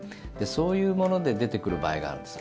そういうもので出てくる場合があるんです。